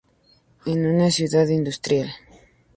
Es una ciudad industrial.